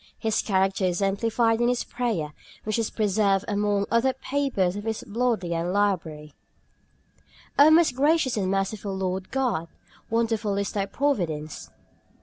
His character is exemplified in this prayer, which is preserved among other papers of his in the Bodleian Library: "O most gracious and merciful Lord God, wonderful is Thy providence.